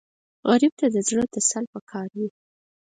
غریب ته د زړه تسل پکار وي